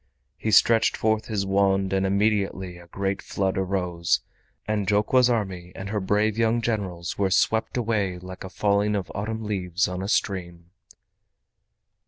He stretched forth his wand, and immediately a great flood arose, and Jokwa's army and her brave young Generals were swept away like a falling of autumn leaves on a stream.